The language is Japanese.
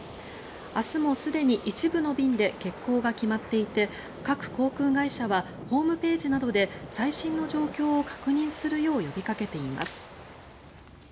明日もすでに一部の便で欠航が決まっていて各航空会社はホームページなどで最新の状況を確認するよう呼びかけています。